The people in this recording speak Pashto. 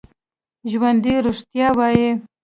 ژوندي رښتیا وايي